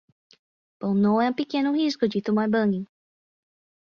Pão não é um pequeno risco de tomar banho.